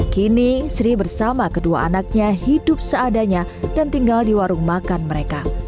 kini sri bersama kedua anaknya hidup seadanya dan tinggal di warung makan mereka